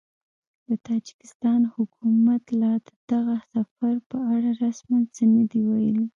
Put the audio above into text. د تاجکستان حکومت لا د دغه سفر په اړه رسماً څه نه دي ویلي